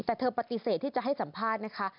แต่เธอปฏิเสธที่จะให้สัมภาษณ์นะคะ